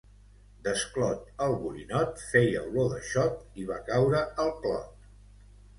Desclot el borinot feia olor de xot i va caure al clot.